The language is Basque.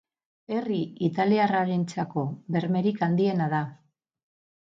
Herri italiarrarentzako bermerik handiena da.